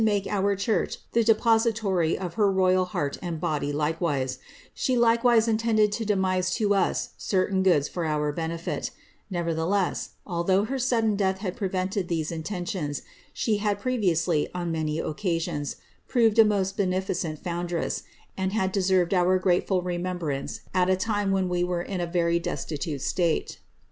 make our church the depository of her royal heart and body likewise ; she likewise intended to demise to us certain goods for our benefit Nevertheless, although her sudden death had prevented these intentions, she had previously, on many occasions, proved a most beneficent foun dress, and had deserved our grateful remembrance at a time when we were in a very destitute state.